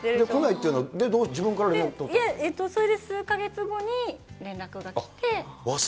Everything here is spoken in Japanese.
来ないっていうのは、自分かそれで数か月後に連絡が来て。